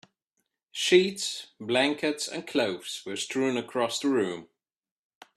Sheets, blankets, and clothes were strewn across the room.